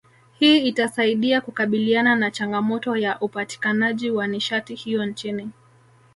Hii itasaidia kukabiliana na changamoto ya upatikanaji wa nishati hiyo nchini